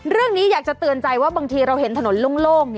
เรื่องนี้อยากจะเตือนใจว่าบางทีเราเห็นถนนโล่ง